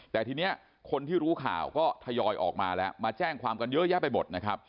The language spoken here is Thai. แต่ทีนี้คนที่รู้ข่าวก็ทยอยออกมาแล้วมาแจ้งความกันเยอะแยะไปหมดนะครับ